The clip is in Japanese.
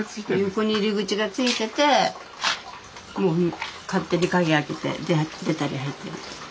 横に入り口が付いてて勝手に鍵開けて出たり入ったり。